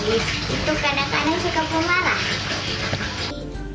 itu kadang kadang suka pemarah